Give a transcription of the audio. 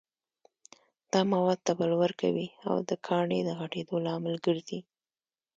دا مواد تبلور کوي او د کاڼي د غټېدو لامل ګرځي.